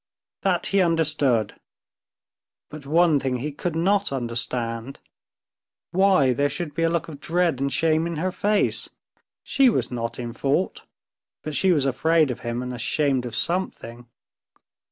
That he understood, but one thing he could not understand—why there should be a look of dread and shame in her face?... She was not in fault, but she was afraid of him and ashamed of something.